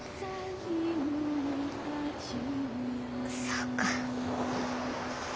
そうか。